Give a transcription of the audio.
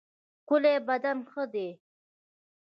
ښکلی بدن ښه دی.